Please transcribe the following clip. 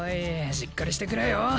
しっかりしてくれよ。